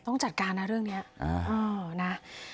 ต้องจัดการนะเรื่องเนี้ยอ่าเออนะ